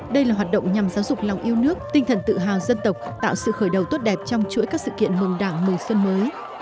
đây là hoạt động nhằm giáo dục lòng yêu nước tinh thần tự hào dân tộc tạo sự khởi đầu tốt đẹp trong chuỗi các sự kiện mừng đảng mừng xuân mới